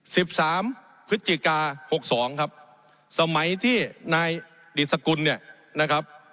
สิบสามพฤศจิกาหกสองครับสมัยที่นายดิสกุลเนี่ยนะครับ